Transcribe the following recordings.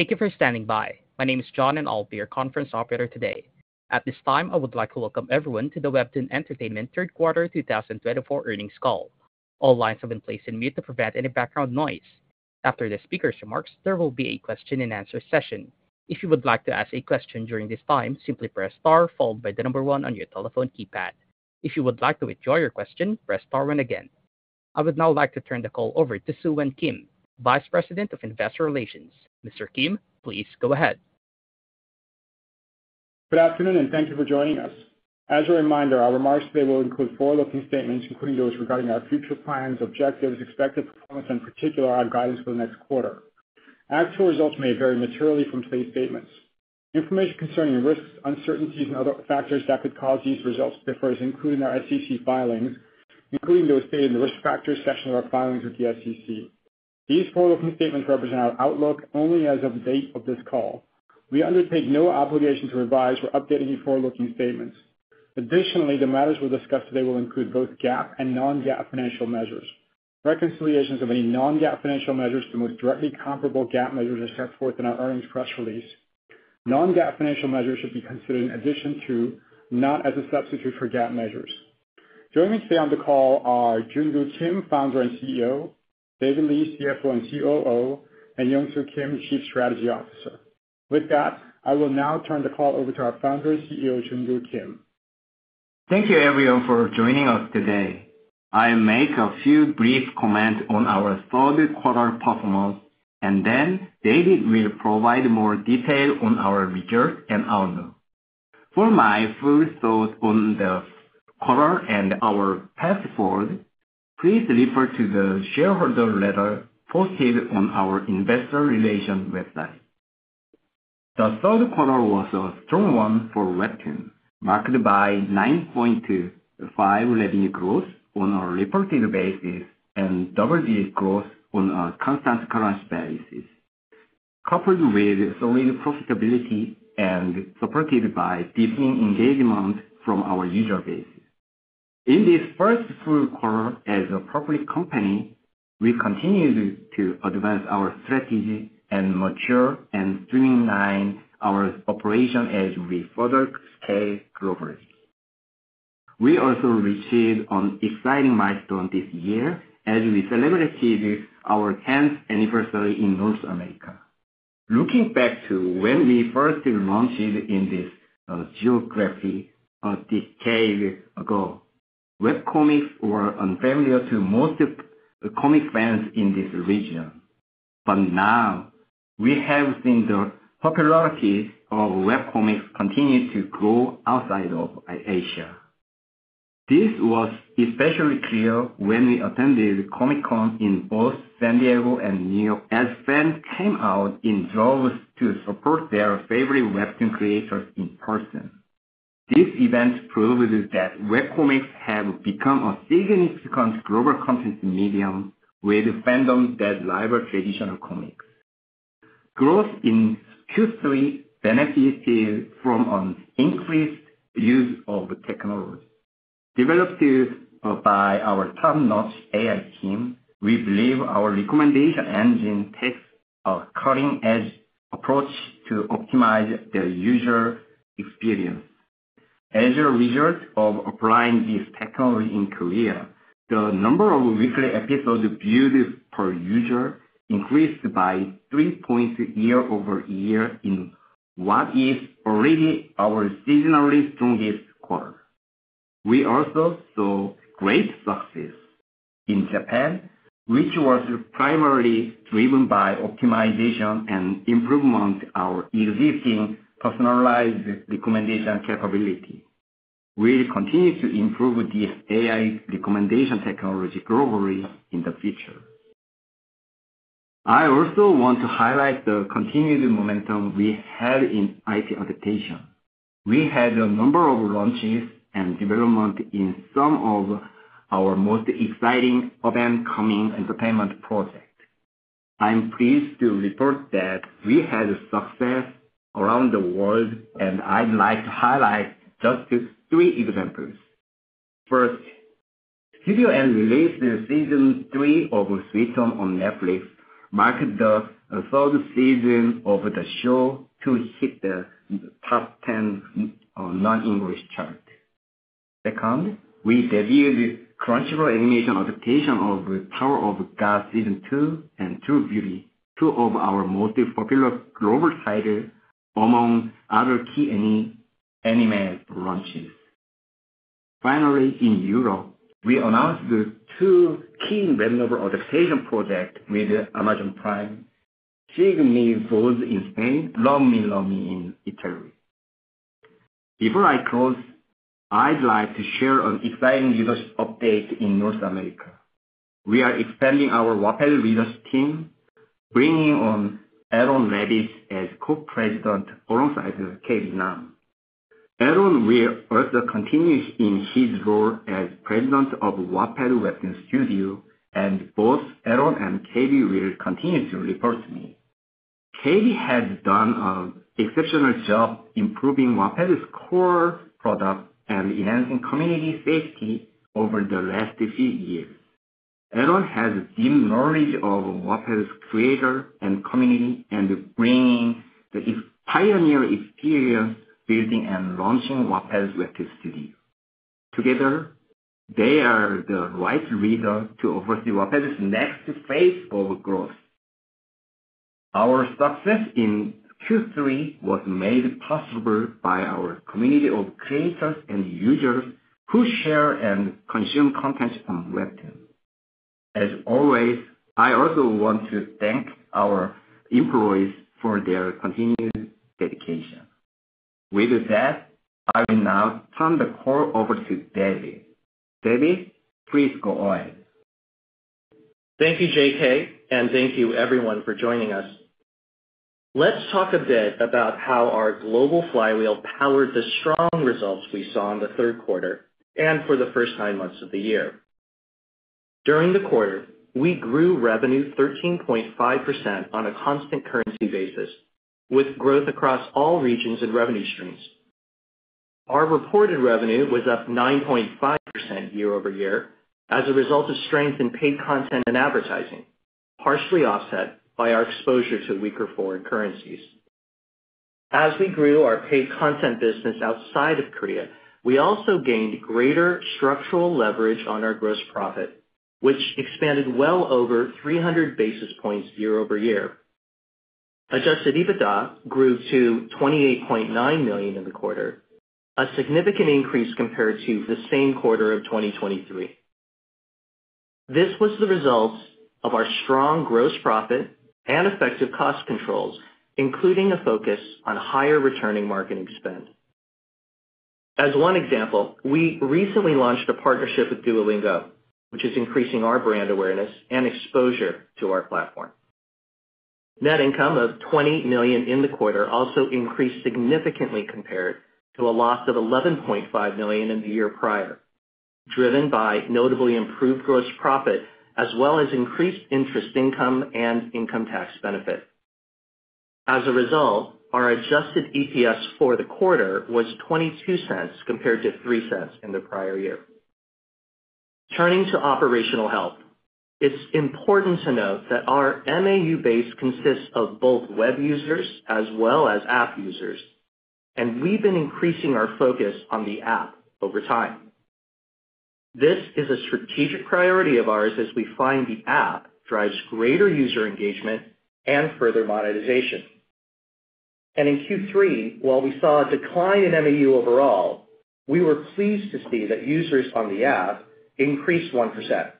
Thank you for standing by. My name is John and I'll be your conference operator today. At this time, I would like to welcome everyone to the WEBTOON Entertainment Q3 2024 earnings call. All lines have been placed on mute to prevent any background noise. After the speaker's remarks, there will be a Q&A session. If you would like to ask a question during this time, simply press star on your telephone keypad. If you would like to withdraw your question, press star again. I would now like to turn the call over to Soohwan Kim, Vice President of Investor Relations. Mr. Kim, please go ahead. Good afternoon, and thank you for joining us. As a reminder, our remarks today will include forward-looking statements, including those regarding our future plans, objectives, expected performance, and, in particular, our guidance for the next quarter. Actual results may vary materially from today's statements. Information concerning risks, uncertainties, and other factors that could cause these results to differ, including our SEC filings, including those included in the risk factors section of our filings with the SEC. These forward-looking statements represent our outlook only as of the date of this call. We undertake no obligation to revise or update any forward-looking statements. Additionally, the matters we'll discuss today will include both GAAP and non-GAAP financial measures. Reconciliations of any non-GAAP financial measures to the most directly comparable GAAP measures are set forth in our earnings press release. Non-GAAP financial measures should be considered in addition to, not as a substitute for GAAP measures. Joining me today on the call are Junkoo Kim, Founder and CEO, David Lee, CFO and COO, and Yongsoo Kim, Chief Strategy Officer. With that, I will now turn the call over to our Founder and CEO, Junkoo Kim. Thank you, everyone, for joining us today. I'll make a few brief comments on our third-quarter performance, and then David will provide more detail on our results and outlook. For my full thoughts on the quarter and our path forward, please refer to the shareholder letter posted on our Investor Relations website. The third quarter was a strong one for WEBTOON, marked by 9.25% revenue growth on a reported basis and double-digit growth on a constant currency basis, coupled with solid profitability and supported by deepening engagement from our user base. In this first full quarter, as a public company, we continued to advance our strategy and mature and streamline our operations as we further scale globally. We also reached an exciting milestone this year as we celebrated our 10th anniversary in North America. Looking back to when we first launched in this geography a decade ago, webcomics were unfamiliar to most comic fans in this region. But now, we have seen the popularity of webcomics continue to grow outside of Asia. This was especially clear when we attended Comic-Con in both San Diego and New York as fans came out in droves to support their favorite webtoon creators in person. This event proves that webcomics have become a significant global content medium with fandoms that rival traditional comics. Growth in Q3 benefited from an increased use of technology. Developed by our top-notch AI team, we believe our recommendation engine takes a cutting-edge approach to optimize the user experience. As a result of applying this technology in Korea, the number of weekly episodes viewed per user increased by 3 points year-over-year in what is already our seasonally strongest quarter. We also saw great success in Japan, which was primarily driven by optimization and improvement of our existing personalized recommendation capability. We'll continue to improve this AI recommendation technology globally in the future. I also want to highlight the continued momentum we had in IP adaptation. We had a number of launches and developments in some of our most exciting up-and-coming entertainment projects. I'm pleased to report that we had success around the world, and I'd like to highlight just three examples. First, Studio N released Season 3 of Sweet Home on Netflix, marking the third season of the show to hit the Top 10 non-English chart. Second, we debuted the Crunchyroll animation adaptation of Tower of God Season 2 and True Beauty, two of our most popular global titles among other key anime launches. Finally, in Europe, we announced two key web novel adaptation projects with Amazon Prime, Sigue Mi Voz in Spain, and Love Me, Love Me in Italy. Before I close, I'd like to share an exciting leadership update in North America. We are expanding our Wattpad leadership team, bringing on Aaron Levitz as Co-President alongside K.B. Nam. Aaron will also continue in his role as President of Wattpad WEBTOON Studios, and both Aaron and K.B. will continue to report to me. K.B. has done an exceptional job improving Wattpad's core product and enhancing community safety over the last few years. Aaron has deep knowledge of Wattpad's creator and community and brings the pioneering experience building and launching Wattpad WEBTOON Studios. Together, they are the right leader to oversee Wattpad's next phase of growth. Our success in Q3 was made possible by our community of creators and users who share and consume content on WEBTOON. As always, I also want to thank our employees for their continued dedication. With that, I will now turn the call over to David. David, please go ahead. Thank you, JK, and thank you, everyone, for joining us. Let's talk a bit about how our global flywheel powered the strong results we saw in the third quarter and for the first nine months of the year. During the quarter, we grew revenue 13.5% on a constant currency basis, with growth across all regions and revenue streams. Our reported revenue was up 9.5% year-over-year as a result of strength in paid content and advertising, partially offset by our exposure to weaker foreign currencies. As we grew our paid content business outside of Korea, we also gained greater structural leverage on our gross profit, which expanded well over 300 basis points year-over-year. Adjusted EBITDA grew to $28.9 million in the quarter, a significant increase compared to the same quarter of 2023. This was the result of our strong gross profit and effective cost controls, including a focus on higher returning marketing spend. As one example, we recently launched a partnership with Duolingo, which is increasing our brand awareness and exposure to our platform. Net income of $20 million in the quarter also increased significantly compared to a loss of $11.5 million in the year prior, driven by notably improved gross profit as well as increased interest income and income tax benefit. As a result, our Adjusted EPS for the quarter was $0.22 compared to $0.03 in the prior year. Turning to operational health, it's important to note that our MAU base consists of both web users as well as app users, and we've been increasing our focus on the app over time. This is a strategic priority of ours as we find the app drives greater user engagement and further monetization. In Q3, while we saw a decline in MAU overall, we were pleased to see that users on the app increased 1%.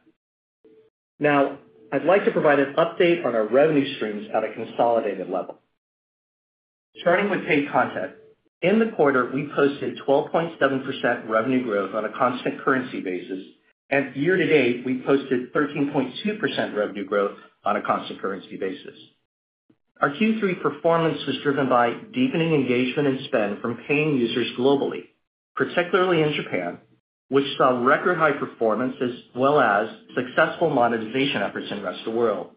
Now, I'd like to provide an update on our revenue streams at a consolidated level. Starting with paid content, in the quarter, we posted 12.7% revenue growth on a constant currency basis, and year to date, we posted 13.2% revenue growth on a constant currency basis. Our Q3 performance was driven by deepening engagement and spend from paying users globally, particularly in Japan, which saw record-high performance as well as successful monetization efforts in the rest of the world.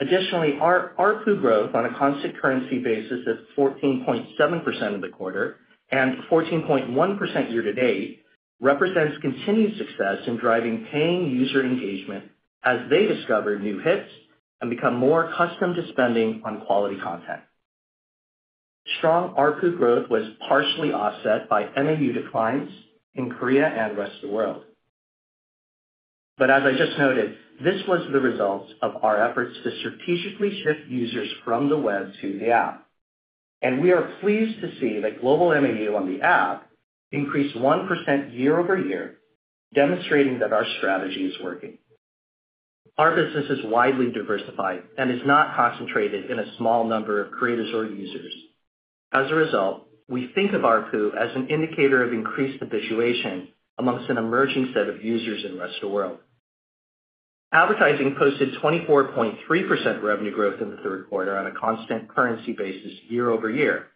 Additionally, our RPPU growth on a constant currency basis of 14.7% in the quarter and 14.1% year to date represents continued success in driving paying user engagement as they discover new hits and become more accustomed to spending on quality content. Strong RPPU growth was partially offset by MAU declines in Korea and the rest of the world. But as I just noted, this was the result of our efforts to strategically shift users from the web to the app, and we are pleased to see that global MAU on the app increased 1% year-over-year, demonstrating that our strategy is working. Our business is widely diversified and is not concentrated in a small number of creators or users. As a result, we think of RPPU as an indicator of increased habituation amongst an emerging set of users in the rest of the world. Advertising posted 24.3% revenue growth in the third quarter on a constant currency basis year-over-year.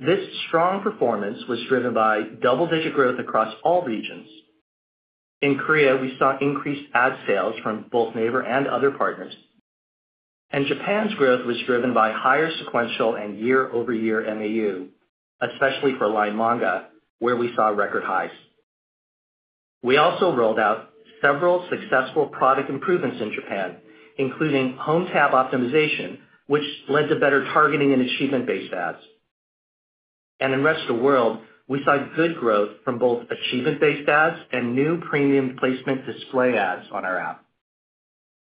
This strong performance was driven by double-digit growth across all regions. In Korea, we saw increased ad sales from both Naver and other partners, and Japan's growth was driven by higher sequential and year-over-year MAU, especially for LINE Manga, where we saw record highs. We also rolled out several successful product improvements in Japan, including Home Tab optimization, which led to better targeting and achievement-based ads. In the rest of the world, we saw good growth from both achievement-based ads and new premium placement display ads on our app.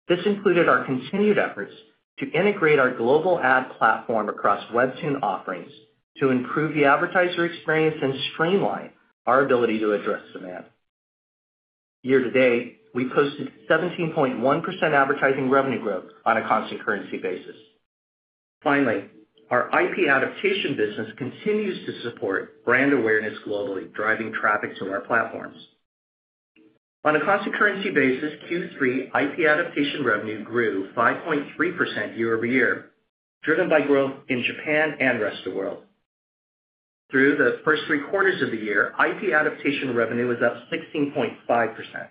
This included our continued efforts to integrate our global ad platform across WEBTOON offerings to improve the advertiser experience and streamline our ability to address demand. Year to date, we posted 17.1% advertising revenue growth on a constant currency basis. Finally, our IP Adaptation business continues to support brand awareness globally, driving traffic to our platforms. On a Constant Currency basis, Q3 IP Adaptation revenue grew 5.3% year-over-year, driven by growth in Japan and the rest of the world. Through the first three quarters of the year, IP Adaptation revenue was up 16.5%,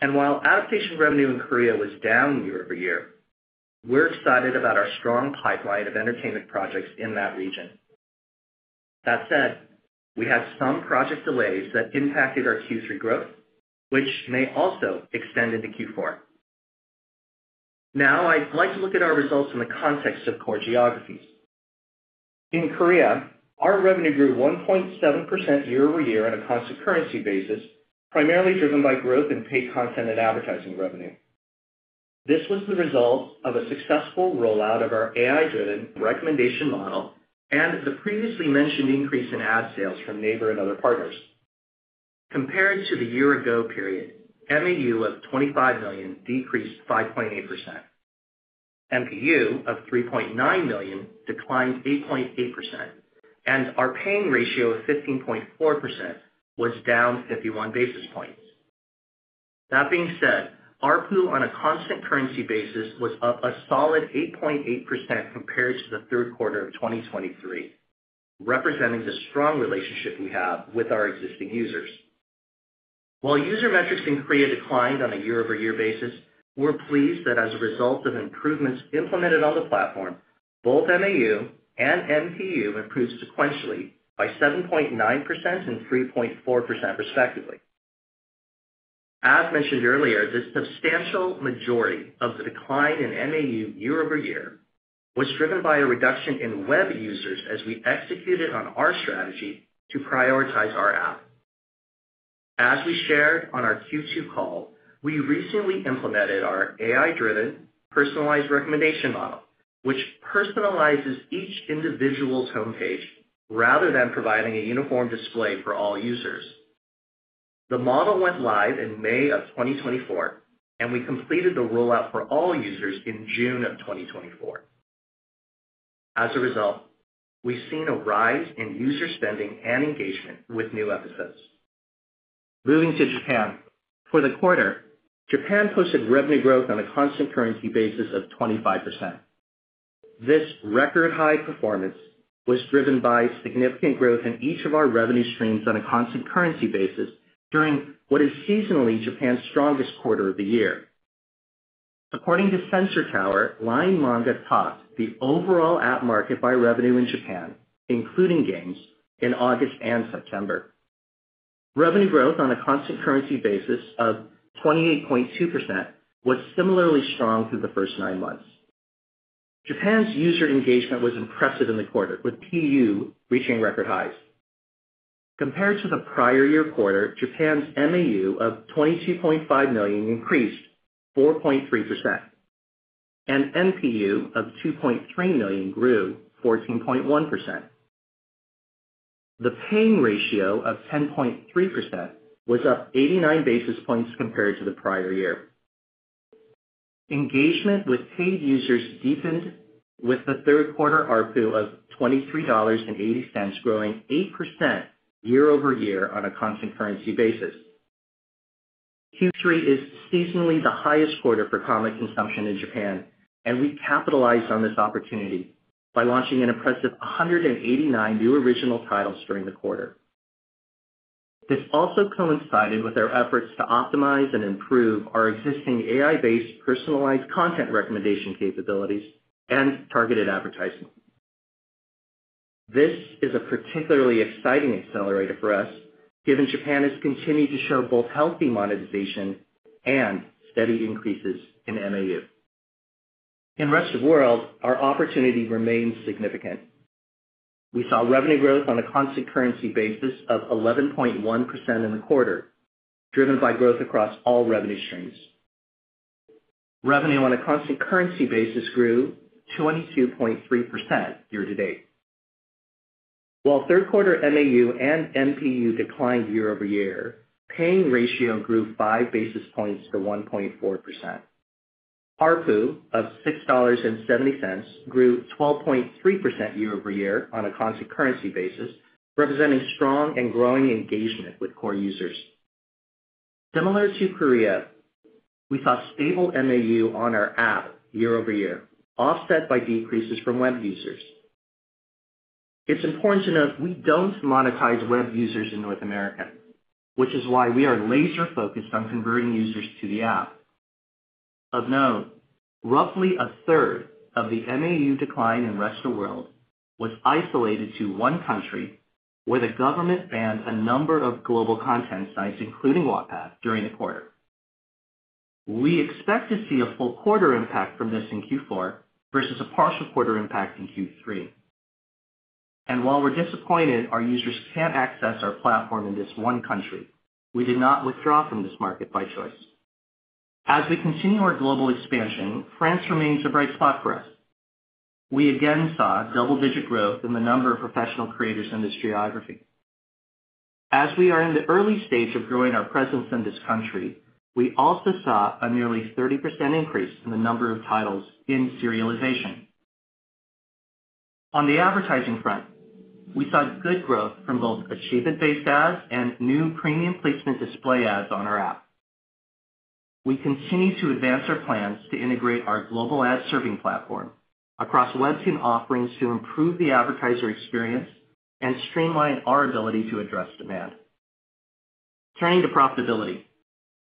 and while adaptation revenue in Korea was down year-over-year, we're excited about our strong pipeline of entertainment projects in that region. That said, we had some project delays that impacted our Q3 growth, which may also extend into Q4. Now, I'd like to look at our results in the context of core geographies. In Korea, our revenue grew 1.7% year-over-year on a Constant Currency basis, primarily driven by growth in paid content and advertising revenue. This was the result of a successful rollout of our AI-driven recommendation model and the previously mentioned increase in ad sales from Naver and other partners. Compared to the year-ago period, MAU of 25 million decreased 5.8%, MPU of 3.9 million declined 8.8%, and our paying ratio of 15.4% was down 51 basis points. That being said, RPPU on a constant currency basis was up a solid 8.8% compared to the third quarter of 2023, representing the strong relationship we have with our existing users. While user metrics in Korea declined on a year-over-year basis, we're pleased that as a result of improvements implemented on the platform, both MAU and MPU improved sequentially by 7.9% and 3.4% respectively. As mentioned earlier, the substantial majority of the decline in MAU year-over-year was driven by a reduction in web users as we executed on our strategy to prioritize our app. As we shared on our Q2 call, we recently implemented our AI-driven personalized recommendation model, which personalizes each individual's homepage rather than providing a uniform display for all users. The model went live in May of 2024, and we completed the rollout for all users in June of 2024. As a result, we've seen a rise in user spending and engagement with new episodes. Moving to Japan. For the quarter, Japan posted revenue growth on a constant currency basis of 25%. This record-high performance was driven by significant growth in each of our revenue streams on a constant currency basis during what is seasonally Japan's strongest quarter of the year. According to Sensor Tower, LINE Manga topped the overall app market by revenue in Japan, including games, in August and September. Revenue growth on a constant currency basis of 28.2% was similarly strong through the first nine months. Japan's user engagement was impressive in the quarter, with PU reaching record highs. Compared to the prior year quarter, Japan's MAU of 22.5 million increased 4.3%, and MPU of 2.3 million grew 14.1%. The paying ratio of 10.3% was up 89 basis points compared to the prior year. Engagement with paid users deepened with the third quarter RPPU of $23.80, growing 8% year-over-year on a constant currency basis. Q3 is seasonally the highest quarter for comic consumption in Japan, and we capitalized on this opportunity by launching an impressive 189 new original titles during the quarter. This also coincided with our efforts to optimize and improve our existing AI-based personalized content recommendation capabilities and targeted advertising. This is a particularly exciting accelerator for us, given Japan has continued to show both healthy monetization and steady increases in MAU. In the rest of the world, our opportunity remains significant. We saw revenue growth on a constant currency basis of 11.1% in the quarter, driven by growth across all revenue streams. Revenue on a constant currency basis grew 22.3% year to date. While third quarter MAU and MPU declined year-over-year, paying ratio grew 5 basis points to 1.4%. RPPU of $6.70 grew 12.3% year-over-year on a constant currency basis, representing strong and growing engagement with core users. Similar to Korea, we saw stable MAU on our app year-over-year, offset by decreases from web users. It's important to note we don't monetize web users in North America, which is why we are laser-focused on converting users to the app. Of note, roughly a third of the MAU decline in the rest of the world was isolated to one country where the government banned a number of global content sites, including Wattpad, during the quarter. We expect to see a full quarter impact from this in Q4 versus a partial quarter impact in Q3. And while we're disappointed our users can't access our platform in this one country, we did not withdraw from this market by choice. As we continue our global expansion, France remains a bright spot for us. We again saw double-digit growth in the number of professional creators in this geography. As we are in the early stage of growing our presence in this country, we also saw a nearly 30% increase in the number of titles in serialization. On the advertising front, we saw good growth from both achievement-based ads and new premium placement display ads on our app. We continue to advance our plans to integrate our global ad serving platform across WEBTOON offerings to improve the advertiser experience and streamline our ability to address demand. Turning to profitability,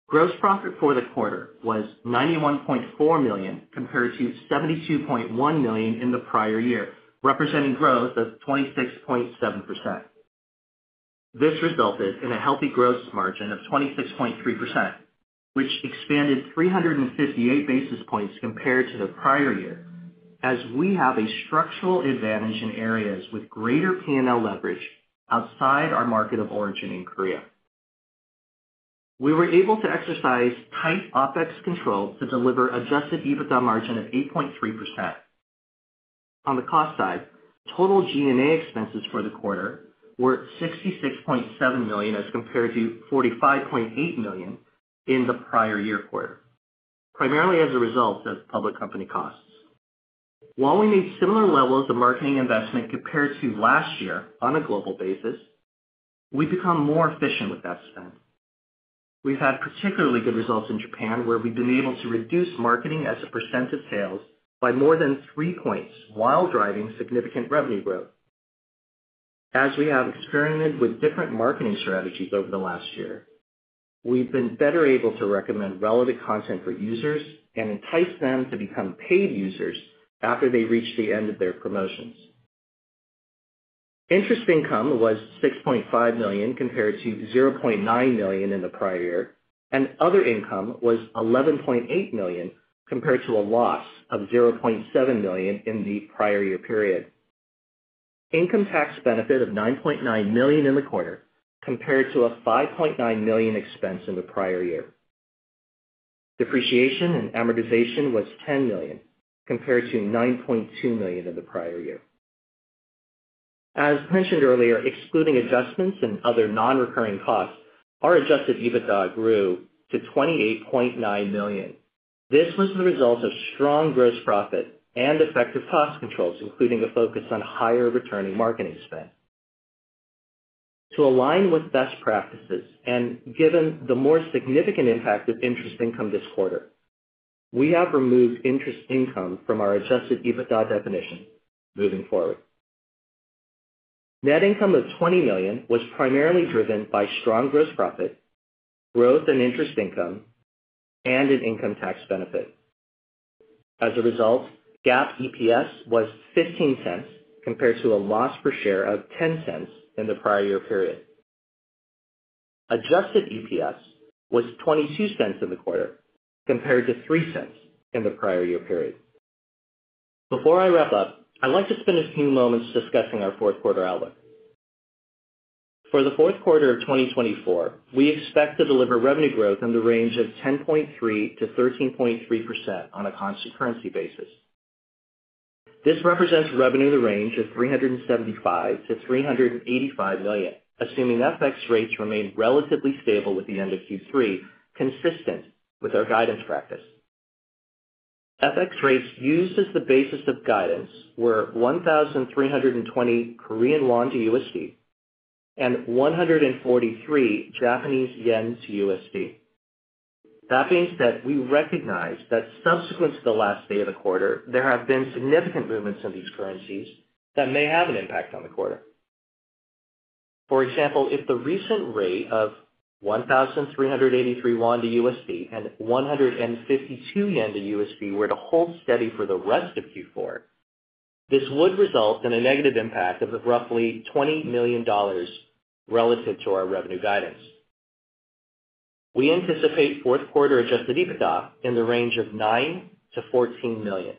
gross profit for the quarter was $91.4 million compared to $72.1 million in the prior year, representing growth of 26.7%. This resulted in a healthy gross margin of 26.3%, which expanded 358 basis points compared to the prior year, as we have a structural advantage in areas with greater P&L leverage outside our market of origin in Korea. We were able to exercise tight OPEX control to deliver adjusted EBITDA margin of 8.3%. On the cost side, total G&A expenses for the quarter were $66.7 million as compared to $45.8 million in the prior year quarter, primarily as a result of public company costs. While we made similar levels of marketing investment compared to last year on a global basis, we've become more efficient with that spend. We've had particularly good results in Japan, where we've been able to reduce marketing as a % of sales by more than three points while driving significant revenue growth. As we have experimented with different marketing strategies over the last year, we've been better able to recommend relevant content for users and entice them to become paid users after they reach the end of their promotions. Interest income was $6.5 million compared to $0.9 million in the prior year, and other income was $11.8 million compared to a loss of $0.7 million in the prior year period. Income tax benefit of $9.9 million in the quarter compared to a $5.9 million expense in the prior year. Depreciation and amortization was $10 million compared to $9.2 million in the prior year. As mentioned earlier, excluding adjustments and other non-recurring costs, our Adjusted EBITDA grew to $28.9 million. This was the result of strong gross profit and effective cost controls, including a focus on higher returning marketing spend. To align with best practices and given the more significant impact of interest income this quarter, we have removed interest income from our Adjusted EBITDA definition moving forward. Net income of $20 million was primarily driven by strong gross profit, growth in interest income, and an income tax benefit. As a result, GAAP EPS was $0.15 compared to a loss per share of $0.10 in the prior year period. Adjusted EPS was $0.22 in the quarter compared to $0.03 in the prior year period. Before I wrap up, I'd like to spend a few moments discussing our fourth quarter outlook. For the fourth quarter of 2024, we expect to deliver revenue growth in the range of 10.3%-13.3% on a Constant Currency basis. This represents revenue in the range of $375 million-$385 million, assuming FX rates remain relatively stable with the end of Q3, consistent with our guidance practice. FX rates used as the basis of guidance were 1,320 Korean won to USD and 143 Japanese yen to USD. That means that we recognize that subsequent to the last day of the quarter, there have been significant movements in these currencies that may have an impact on the quarter. For example, if the recent rate of 1,383 won to USD and 152 yen to USD were to hold steady for the rest of Q4, this would result in a negative impact of roughly $20 million relative to our revenue guidance. We anticipate fourth quarter Adjusted EBITDA in the range of $9-$14 million,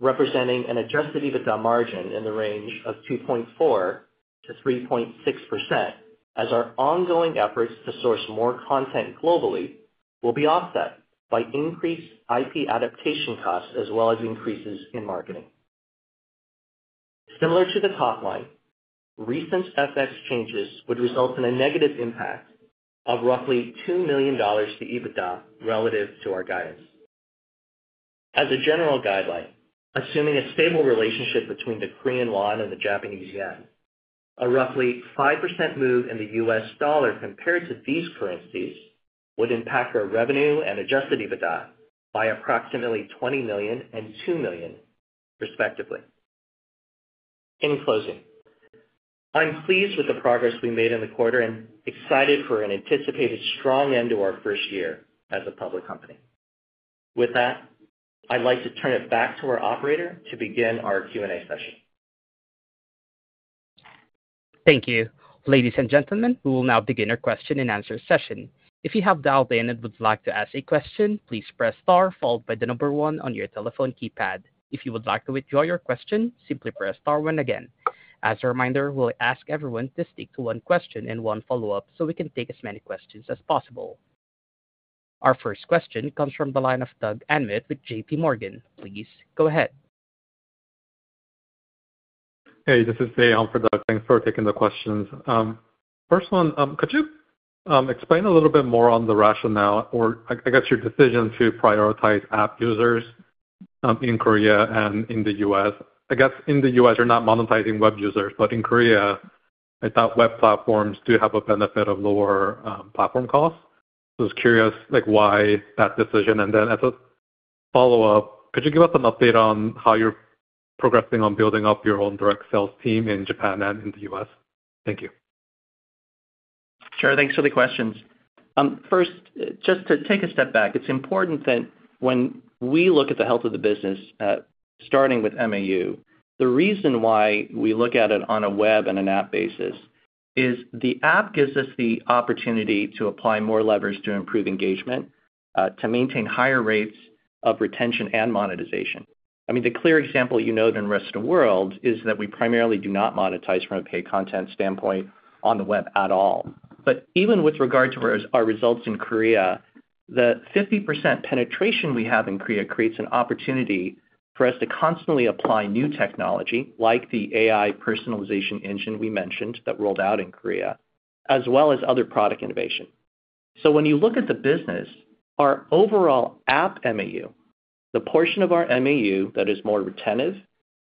representing an Adjusted EBITDA margin in the range of 2.4%-3.6%, as our ongoing efforts to source more content globally will be offset by increased IP adaptation costs as well as increases in marketing. Similar to the top line, recent FX changes would result in a negative impact of roughly $2 million to EBITDA relative to our guidance. As a general guideline, assuming a stable relationship between the Korean Won and the Japanese Yen, a roughly 5% move in the U.S. dollar compared to these currencies would impact our revenue and Adjusted EBITDA by approximately $20 million and $2 million, respectively. In closing, I'm pleased with the progress we made in the quarter and excited for an anticipated strong end to our first year as a public company. With that, I'd like to turn it back to our operator to begin our Q&A session. Thank you. Ladies and gentlemen, we will now begin our question and answer session. If you have dialed in and would like to ask a question, please press star followed by the number one on your telephone keypad. If you would like to withdraw your question, simply press star one again. As a reminder, we'll ask everyone to stick to one question and one follow-up so we can take as many questions as possible. Our first question comes from the line of Doug Anmuth with JPMorgan. Please go ahead. Hey, this is Tian for Doug. Thanks for taking the questions. First one, could you explain a little bit more on the rationale or, I guess, your decision to prioritize app users in Korea and in the U.S.? I guess in the U.S., you're not monetizing web users, but in Korea, I thought web platforms do have a benefit of lower platform costs. So I was curious why that decision? And then as a follow-up, could you give us an update on how you're progressing on building up your own direct sales team in Japan and in the U.S.? Thank you. Sure. Thanks for the questions. First, just to take a step back, it's important that when we look at the health of the business, starting with MAU, the reason why we look at it on a web and an app basis is the app gives us the opportunity to apply more levers to improve engagement, to maintain higher rates of retention and monetization. I mean, the clear example you know in the rest of the world is that we primarily do not monetize from a paid content standpoint on the web at all. But even with regard to our results in Korea, the 50% penetration we have in Korea creates an opportunity for us to constantly apply new technology, like the AI personalization engine we mentioned that rolled out in Korea, as well as other product innovation. So when you look at the business, our overall app MAU, the portion of our MAU that is more retentive,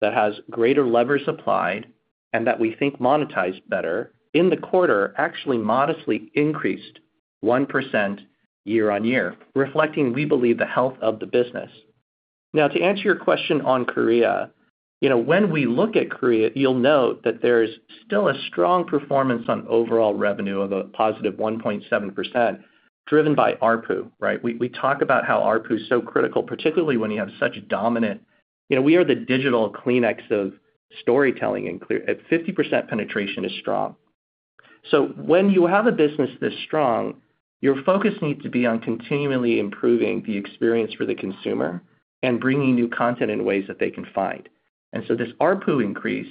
that has greater levers applied, and that we think monetized better in the quarter actually modestly increased 1% year on year, reflecting we believe the health of the business. Now, to answer your question on Korea, when we look at Korea, you'll note that there's still a strong performance on overall revenue of a positive 1.7%, driven by ARPPU, right? We talk about how ARPPU is so critical, particularly when you have such dominant, we are the digital Kleenex of storytelling in Korea. At 50% penetration is strong. So when you have a business this strong, your focus needs to be on continually improving the experience for the consumer and bringing new content in ways that they can find, and so this ARPPU increase,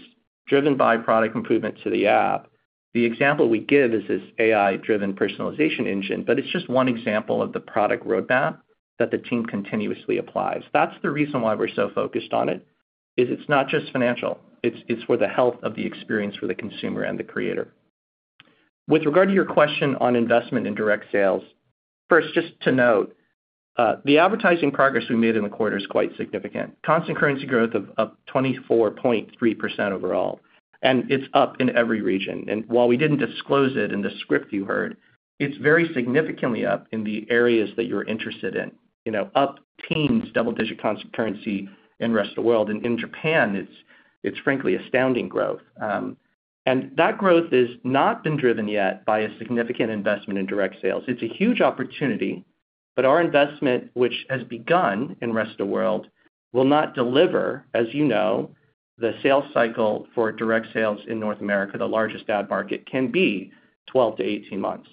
driven by product improvement to the app, the example we give is this AI-driven personalization engine, but it's just one example of the product roadmap that the team continuously applies. That's the reason why we're so focused on it, is it's not just financial. It's for the health of the experience for the consumer and the creator. With regard to your question on investment in direct sales, first, just to note, the advertising progress we made in the quarter is quite significant. Constant currency growth of 24.3% overall, and it's up in every region. And while we didn't disclose it in the script you heard, it's very significantly up in the areas that you're interested in, up teens double-digit constant currency in the rest of the world. And in Japan, it's frankly astounding growth. And that growth has not been driven yet by a significant investment in direct sales. It's a huge opportunity, but our investment, which has begun in the rest of the world, will not deliver, as you know, the sales cycle for direct sales in North America, the largest ad market, can be 12-18 months.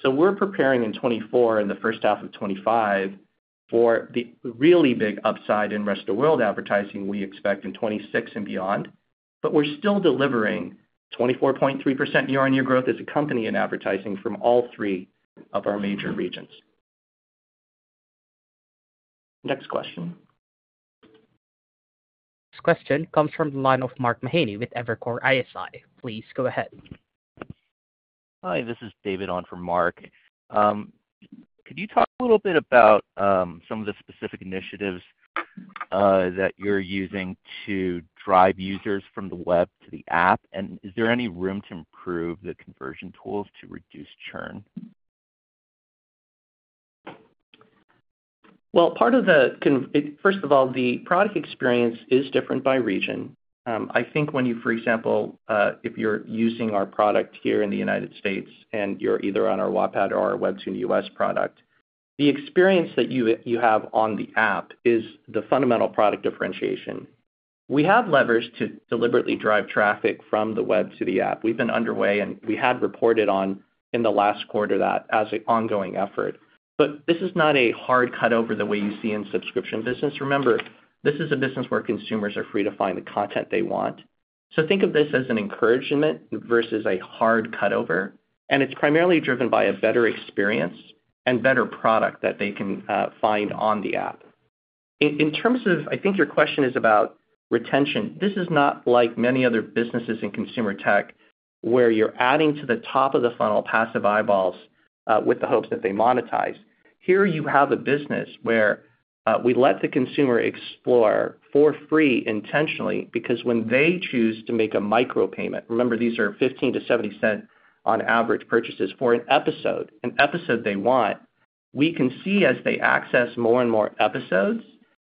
So we're preparing in 2024 and the first half of 2025 for the really big upside in the rest of the world advertising we expect in 2026 and beyond, but we're still delivering 24.3% year-on-year growth as a company in advertising from all three of our major regions. Next question. This question comes from the line of Mark Mahaney with Evercore ISI. Please go ahead. Hi, this is David Allen from Mark. Could you talk a little bit about some of the specific initiatives that you're using to drive users from the web to the app, and is there any room to improve the conversion tools to reduce churn? Well, part of the first of all, the product experience is different by region. I think when you, for example, if you're using our product here in the United States and you're either on our Wattpad or our WEBTOON U.S. product, the experience that you have on the app is the fundamental product differentiation. We have levers to deliberately drive traffic from the web to the app. We've been underway, and we had reported on in the last quarter that as an ongoing effort. But this is not a hard cutover the way you see in subscription business. Remember, this is a business where consumers are free to find the content they want. So think of this as an encouragement versus a hard cutover, and it's primarily driven by a better experience and better product that they can find on the app. In terms of, I think your question is about retention. This is not like many other businesses in consumer tech where you're adding to the top of the funnel passive eyeballs with the hopes that they monetize. Here you have a business where we let the consumer explore for free intentionally because when they choose to make a micro payment, remember, these are $0.15-$0.70 on average purchases for an episode, an episode they want, we can see as they access more and more episodes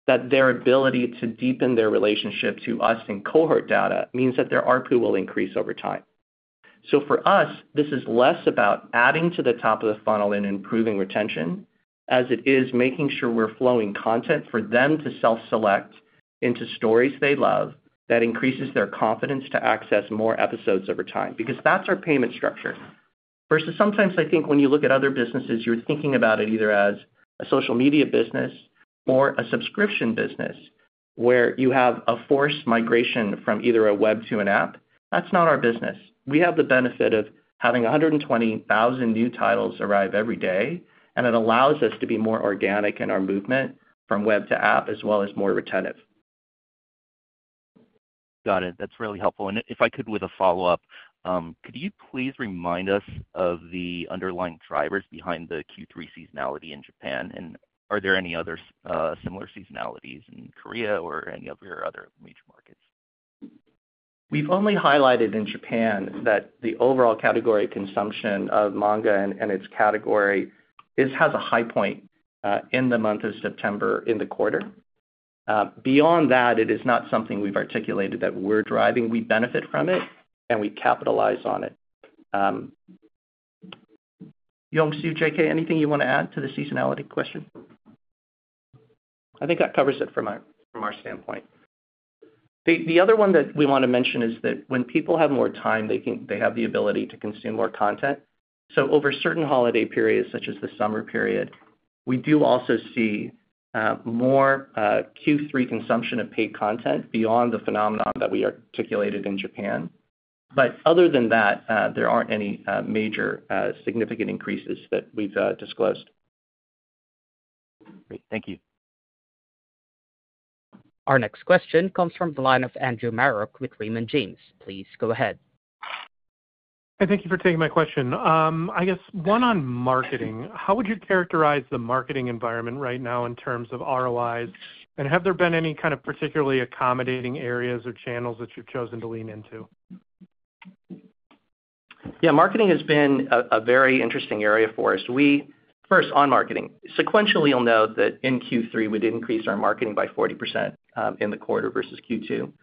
that their ability to deepen their relationship to us and cohort data means that their ARPPU will increase over time. So for us, this is less about adding to the top of the funnel and improving retention as it is making sure we're flowing content for them to self-select into stories they love that increases their confidence to access more episodes over time because that's our payment structure. Versus sometimes I think when you look at other businesses, you're thinking about it either as a social media business or a subscription business where you have a forced migration from either a web to an app. That's not our business. We have the benefit of having 120,000 new titles arrive every day, and it allows us to be more organic in our movement from web to app as well as more retentive. Got it. That's really helpful. And if I could with a follow-up, could you please remind us of the underlying drivers behind the Q3 seasonality in Japan, and are there any other similar seasonalities in Korea or any of your other major markets? We've only highlighted in Japan that the overall category consumption of manga and its category has a high point in the month of September in the quarter. Beyond that, it is not something we've articulated that we're driving. We benefit from it, and we capitalize on it. Yongsoo, JK, anything you want to add to the seasonality question? I think that covers it from our standpoint. The other one that we want to mention is that when people have more time, they have the ability to consume more content. Over certain holiday periods, such as the summer period, we do also see more Q3 consumption of paid content beyond the phenomenon that we articulated in Japan. But other than that, there aren't any major significant increases that we've disclosed. Great. Thank you. Our next question comes from the line of Andrew Marok with Raymond James. Please go ahead. Hey, thank you for taking my question. I guess one on marketing. How would you characterize the marketing environment right now in terms of ROIs, and have there been any kind of particularly accommodating areas or channels that you've chosen to lean into? Yeah, marketing has been a very interesting area for us. First, on marketing, sequentially you'll know that in Q3 we did increase our marketing by 40% in the quarter versus Q2 to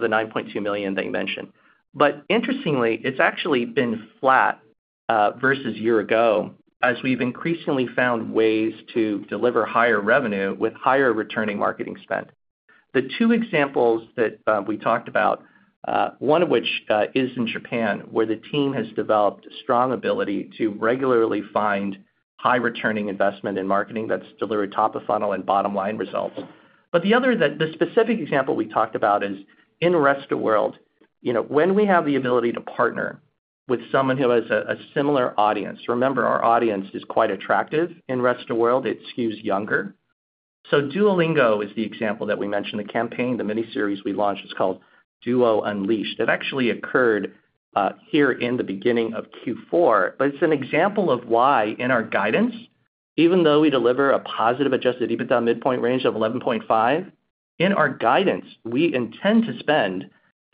the $9.2 million that you mentioned. But interestingly, it's actually been flat versus a year ago as we've increasingly found ways to deliver higher revenue with higher returning marketing spend. The two examples that we talked about, one of which is in Japan, where the team has developed a strong ability to regularly find high-returning investment in marketing that's delivered top of funnel and bottom-line results. But the other that the specific example we talked about is in the rest of the world. When we have the ability to partner with someone who has a similar audience, remember our audience is quite attractive in the rest of the world. It skews younger. So Duolingo is the example that we mentioned. The campaign, the mini-series we launched is called Duo Unleashed. It actually occurred here in the beginning of Q4, but it's an example of why in our guidance, even though we deliver a positive adjusted EBITDA midpoint range of 11.5, in our guidance, we intend to spend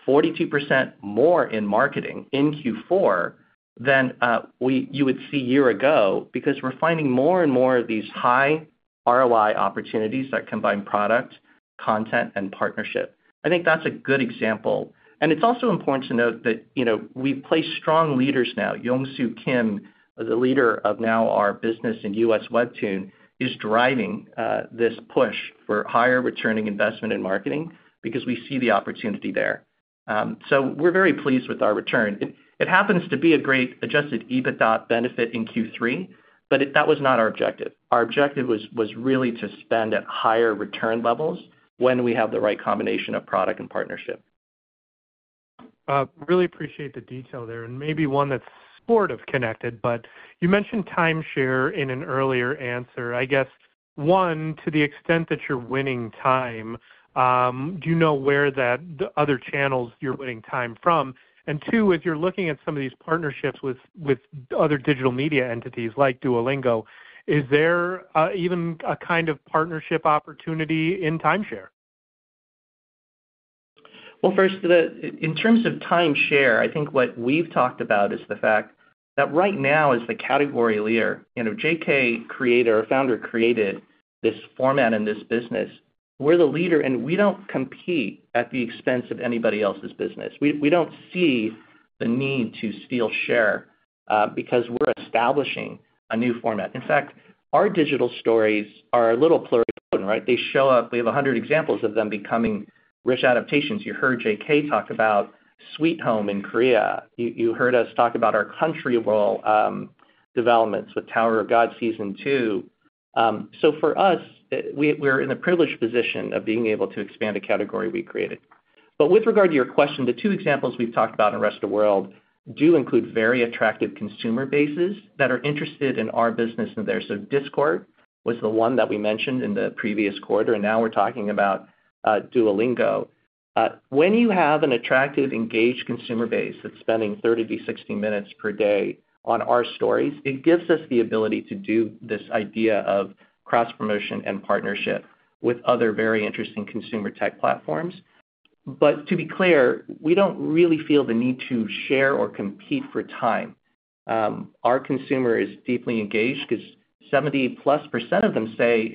42% more in marketing in Q4 than you would see a year ago because we're finding more and more of these high ROI opportunities that combine product, content, and partnership. I think that's a good example. And it's also important to note that we've placed strong leaders now. Yongsoo Kim, the leader of now our business in U.S. WEBTOON, is driving this push for higher returning investment in marketing because we see the opportunity there. So we're very pleased with our return. It happens to be a great adjusted EBITDA benefit in Q3, but that was not our objective. Our objective was really to spend at higher return levels when we have the right combination of product and partnership. Really appreciate the detail there. And maybe one that's sort of connected, but you mentioned timeshare in an earlier answer. I guess, one, to the extent that you're winning time, do you know where the other channels you're winning time from? And two, as you're looking at some of these partnerships with other digital media entities like Duolingo, is there even a kind of partnership opportunity in timeshare? Well, first, in terms of timeshare, I think what we've talked about is the fact that right now, as the category leader, JK, creator, founder, created this format in this business, we're the leader, and we don't compete at the expense of anybody else's business. We don't see the need to steal share because we're establishing a new format. In fact, our digital stories are a little pluripotent, right? They show up. We have 100 examples of them becoming rich adaptations. You heard JK talk about Sweet Home in Korea. You heard us talk about our anime developments with Tower of God Season 2. So for us, we're in the privileged position of being able to expand a category we created. But with regard to your question, the two examples we've talked about in the rest of the world do include very attractive consumer bases that are interested in our business in there. So Discord was the one that we mentioned in the previous quarter, and now we're talking about Duolingo. When you have an attractive, engaged consumer base that's spending 30-60 minutes per day on our stories, it gives us the ability to do this idea of cross-promotion and partnership with other very interesting consumer tech platforms. But to be clear, we don't really feel the need to share or compete for time. Our consumer is deeply engaged because 70+% of them say,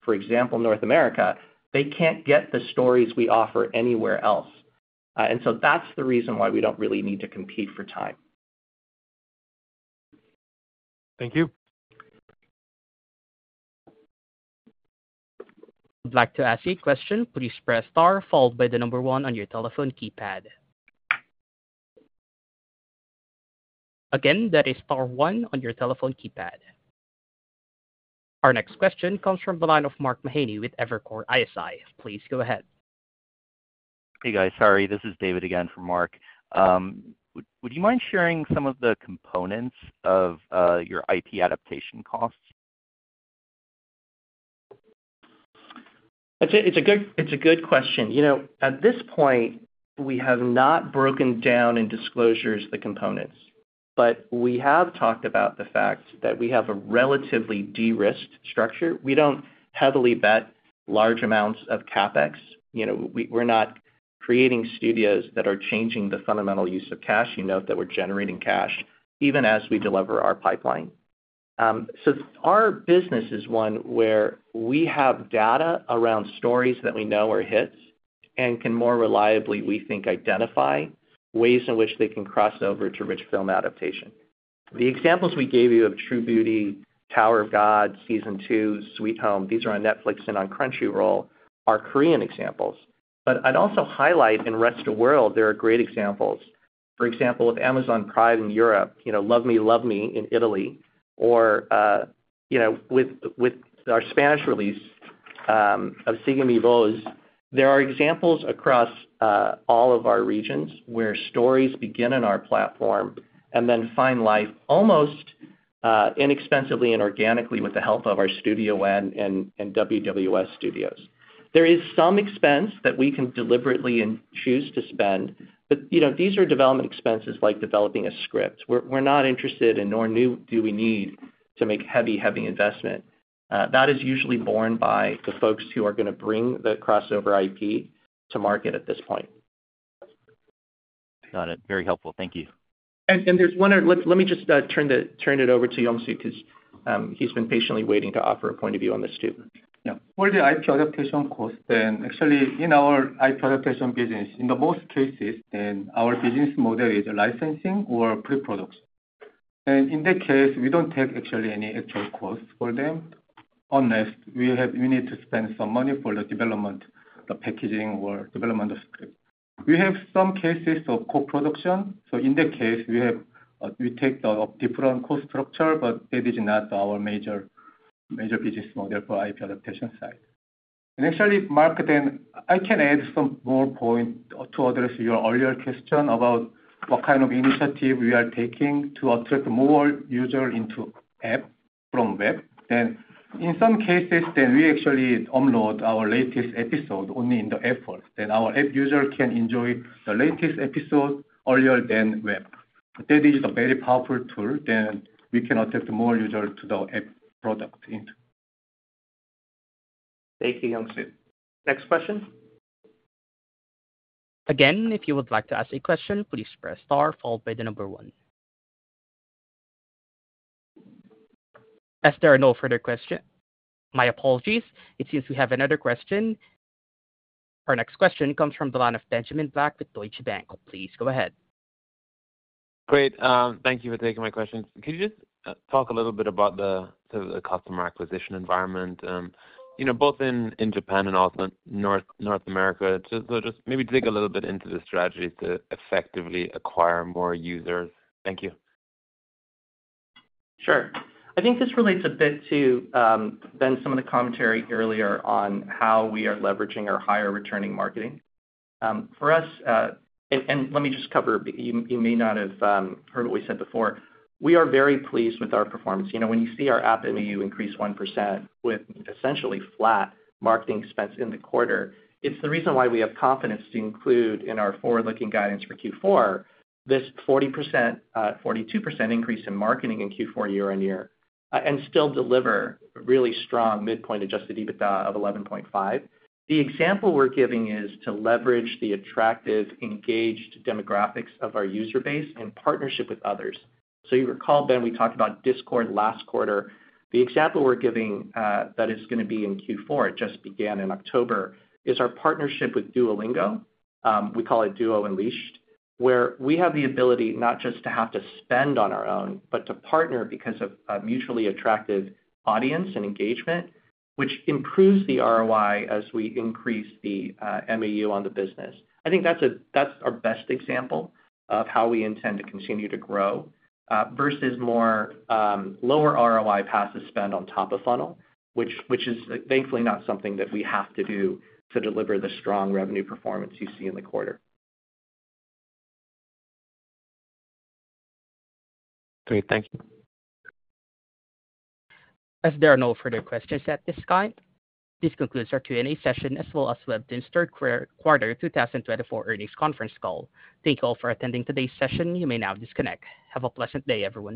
for example, North America, they can't get the stories we offer anywhere else. And so that's the reason why we don't really need to compete for time. Thank you. I'd like to ask you a question. Please press star followed by the number one on your telephone keypad. Again, that is star one on your telephone keypad. Our next question comes from the line of Mark Mahaney with Evercore ISI. Please go ahead. Hey, guys. Sorry, this is David again from Mark. Would you mind sharing some of the components of your IP adaptation costs? It's a good question. At this point, we have not broken down in disclosures the components, but we have talked about the fact that we have a relatively de-risked structure. We don't heavily bet large amounts of CapEx. We're not creating studios that are changing the fundamental use of cash. You know that we're generating cash even as we deliver our pipeline. So our business is one where we have data around stories that we know are hits and can more reliably, we think, identify ways in which they can cross over to rich film adaptation. The examples we gave you of True Beauty, Tower of God, Season 2, Sweet Home, these are on Netflix and on Crunchyroll, are Korean examples. But I'd also highlight in the rest of the world, there are great examples. For example, with Amazon Prime in Europe, Love Me, Love Me in Italy, or with our Spanish release of Sigue Mi Voz, there are examples across all of our regions where stories begin in our platform and then find life almost inexpensively and organically with the help of our Studio N and WWS Studios. There is some expense that we can deliberately choose to spend, but these are development expenses like developing a script. We're not interested in, nor do we need to make heavy, heavy investment. That is usually borne by the folks who are going to bring the crossover IP to market at this point. Got it. Very helpful. Thank you. And there's one other, let me just turn it over to Yongsoo because he's been patiently waiting to offer a point of view on this too. Yeah. For the IP adaptation cost, then actually in our IP adaptation business, in most cases, then our business model is licensing or pre-production. And in that case, we don't take actually any actual costs for them unless we need to spend some money for the development, the packaging, or development of scripts. We have some cases of co-production. So in that case, we take the different cost structure, but it is not our major business model for IP adaptation side. And actually, Mark, then I can add some more points to address your earlier question about what kind of initiative we are taking to attract more users into app from web. Then in some cases, then we actually upload our latest episode only in the app first. Then our app user can enjoy the latest episode earlier than web. That is a very powerful tool. Then we can attract more users to the app product. Thank you, Yongsoo. Next question. Again, if you would like to ask a question, please press star followed by the number one. As there are no further questions, my apologies. It seems we have another question. Our next question comes from the line of Benjamin Black with Deutsche Bank. Please go ahead. Great. Thank you for taking my question. Could you just talk a little bit about the customer acquisition environment, both in Japan and also North America? So just maybe dig a little bit into the strategies to effectively acquire more users. Thank you. Sure. I think this relates a bit to then some of the commentary earlier on how we are leveraging our higher returning marketing. For us, and let me just cover, you may not have heard what we said before, we are very pleased with our performance. When you see our MAU increase 1% with essentially flat marketing expense in the quarter, it's the reason why we have confidence to include in our forward-looking guidance for Q4 this 42% increase in marketing in Q4 year on year and still deliver really strong midpoint Adjusted EBITDA of $11.5. The example we're giving is to leverage the attractive, engaged demographics of our user base in partnership with others. So you recall, Ben, we talked about Discord last quarter. The example we're giving that is going to be in Q4, it just began in October, is our partnership with Duolingo. We call it Duo Unleashed, where we have the ability not just to have to spend on our own, but to partner because of a mutually attractive audience and engagement, which improves the ROI as we increase the MAU on the business. I think that's our best example of how we intend to continue to grow versus lower ROI paid spend on top of funnel, which is thankfully not something that we have to do to deliver the strong revenue performance you see in the quarter. Great. Thank you. As there are no further questions at this time, this concludes our Q&A session as well as WEBTOON's first quarter 2024 earnings conference call. Thank you all for attending today's session. You may now disconnect. Have a pleasant day everyone.